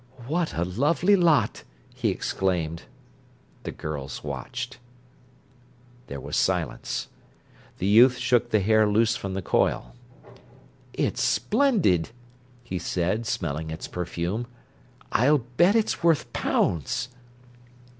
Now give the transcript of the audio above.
"What a lovely lot!" he exclaimed. The girls watched. There was silence. The youth shook the hair loose from the coil. "It's splendid!" he said, smelling its perfume. "I'll bet it's worth pounds."